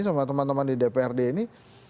sama teman teman di dprd ini